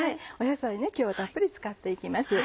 野菜今日はたっぷり使って行きます。